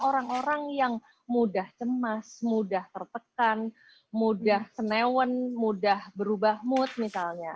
orang orang yang mudah cemas mudah tertekan mudah senewen mudah berubah mood misalnya